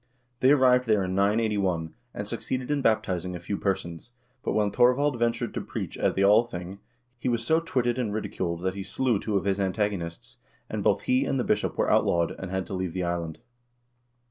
They arrived there in 981, and succeeded in bap tizing a few persons, but when Thorvald ventured to preach at the Althing, he was so twitted and ridiculed that he slew two of his antagonists, and both he and the bishop were outlawed, and had to leave the island.